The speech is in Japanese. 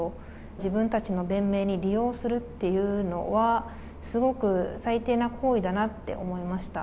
自分たちの弁明に利用するっていうのは、すごく最低な行為だなって思いました。